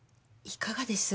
いかがです？